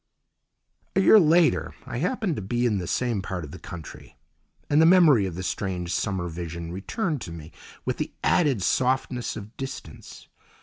A year later I happened to be in the same part of the country, and the memory of the strange summer vision returned to me with the added softness of distance.